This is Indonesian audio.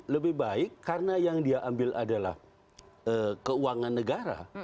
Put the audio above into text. lebih baik karena yang dia ambil adalah keuangan negara